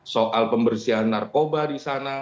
soal pembersihan narkoba di sana